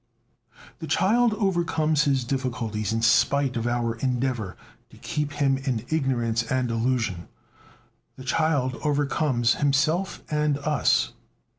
The child overcomes his difficulties in spite of our endeavor to keep him in ignorance and illusion. The child overcomes himself and us.